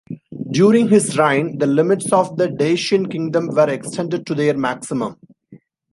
During his reign, the limits of the Dacian Kingdom were extended to their maximum.